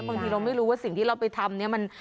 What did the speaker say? บางทีเราไม่รู้ว่าสิ่งที่เราไปทำเนี่ย